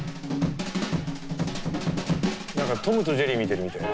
何か「トムとジェリー」見てるみたい。